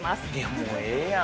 もう、ええやん。